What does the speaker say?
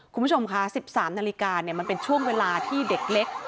คุณผู้ชมค่ะ๑๓นาฬิกามันเป็นช่วงเวลาที่เด็กเล็ก